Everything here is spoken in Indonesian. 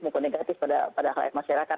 maupun negatif pada rakyat masyarakat